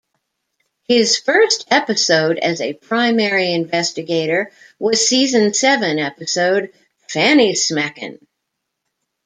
His first episode as a primary investigator was season seven episode "Fannysmackin'".